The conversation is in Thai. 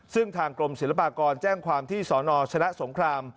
ซึ่งทางกรมศิลปากรแจ้งความที่สนชนะสงคราม